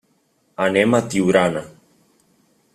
Anem a Tiurana.